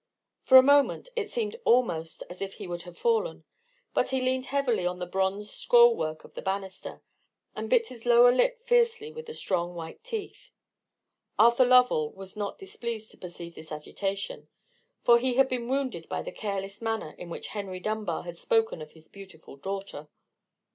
For a moment it seemed almost as if he would have fallen: but he leaned heavily upon the bronze scroll work of the banister, and bit his lower lip fiercely with his strong white teeth. Arthur Lovell was not displeased to perceive this agitation: for he had been wounded by the careless manner in which Henry Dunbar had spoken of his beautiful daughter.